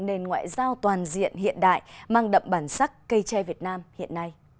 nền ngoại giao toàn diện hiện đại mang đậm bản sắc cây tre việt nam hiện nay